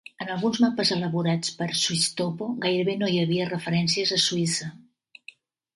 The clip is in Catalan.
En alguns mapes elaborats per Swisstopo gairebé no hi havia referències a Suïssa.